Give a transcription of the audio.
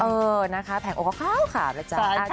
เออนะคะแผงอกก็ขาวขาวเลยจ้ะ